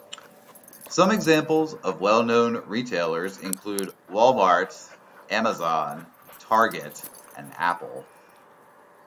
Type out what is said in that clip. Some examples of well-known retailers include Walmart, Amazon, Target, and Apple.